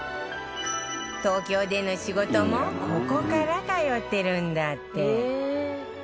東京での仕事もここから通ってるんだって